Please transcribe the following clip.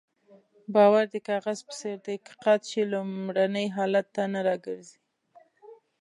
باور د کاغذ په څېر دی که قات شي لومړني حالت ته نه راګرځي.